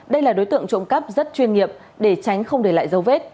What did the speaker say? đây là đối tượng trộm cắp rất chuyên nghiệp để tránh không để lại dấu vết